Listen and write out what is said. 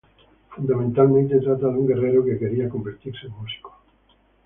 Fundamentalmente trata de un guerrero que quería convertirse en músico.